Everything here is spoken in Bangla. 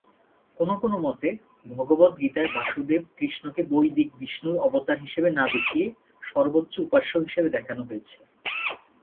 কোনো কোনো মতে, ভগবদ্গীতায় বাসুদেব-কৃষ্ণকে বৈদিক বিষ্ণুর অবতার হিসেবে না দেখিয়ে সর্বোচ্চ উপাস্য হিসেবে দেখানো হয়েছে।